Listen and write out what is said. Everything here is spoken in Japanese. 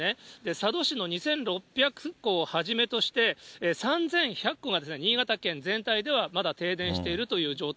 佐渡市の２６００戸をはじめとして、３１００戸が新潟県全体では、まだ停電しているという状態。